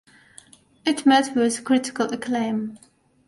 It met with critical acclaim.